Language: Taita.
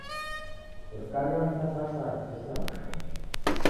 Sirikali yafunya basari Kutesia mashomo